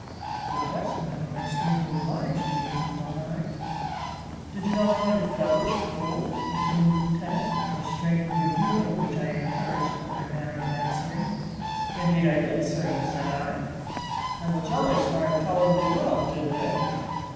"The pressed men are extremely obliged to you," thought I. "Did you not find it devilish cold?" continued the lieutenant, in a strain of good humour, which I encouraged by my manner of answering. "Indeed I did, sir," said I. "And the jollies fired tolerably well, did they?"